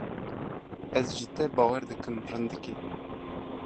Ez ji te bawer dikim rindikê.